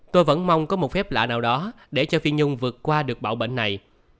tôi vẫn mong có một phép lạ nào đó để cho phi nhung vượt qua được bạo bệnh này